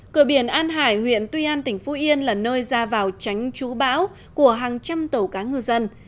cửa biển an hải huyện tuy an tỉnh phú yên là nơi ra vào tránh chú bão của hàng trăm tàu cá ngư dân